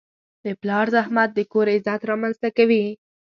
د پلار زحمت د کور عزت رامنځته کوي.